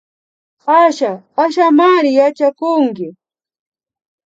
Asha Ashamari yachakunki